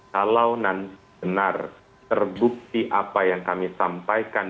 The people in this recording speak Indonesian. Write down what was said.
kalau nanti benar terbukti apa yang kami sampaikan